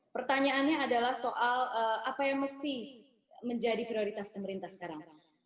pertanyaannya adalah soal apa yang mesti menjadi prioritas pemerintah sekarang